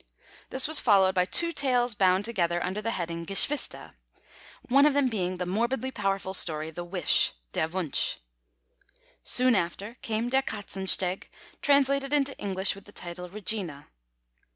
This was followed by two tales bound together under the heading Geschwister, one of them being the morbidly powerful story, The Wish (Der Wunsch). Soon after came Der Katzensteg, translated into English with the title, Regina.